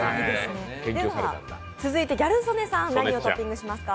続いてギャル曽根さん何をトッピングしますか？